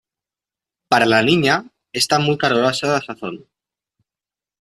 para la Niña está muy calurosa la sazón.